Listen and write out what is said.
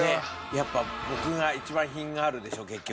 やっぱ僕が一番品があるでしょ結局。